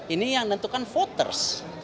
ini yang tentukan voters